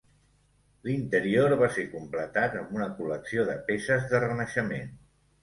L'interior va ser completat amb una col·lecció de peces de Renaixement.